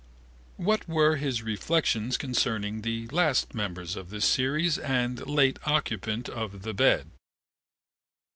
What were his reflections concerning the last member of this series and late occupant of the bed?